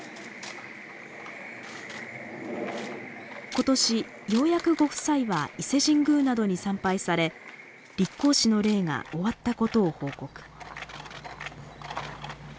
ことしようやくご夫妻は伊勢神宮などに参拝され「立皇嗣の礼」が終わったことを報告。